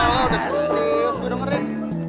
lo udah serius gue udah ngerit